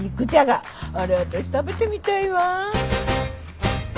あれ私食べてみたいわ。